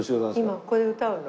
今ここで歌うの？